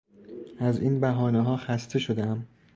از این بهانهها خسته شدهام.